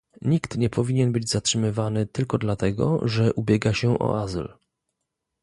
Nikt nie powinien być zatrzymywany tylko dlatego, że ubiega się o azyl